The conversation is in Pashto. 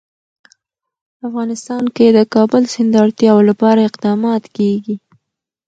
افغانستان کې د کابل سیند د اړتیاوو لپاره اقدامات کېږي.